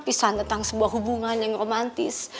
pisahan tentang sebuah hubungan yang romantis